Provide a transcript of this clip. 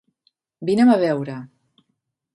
Vine'm a veure.